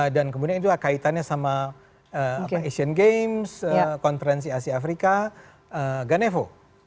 dan kemudian itu kaitannya sama asian games konferensi asia afrika ganevo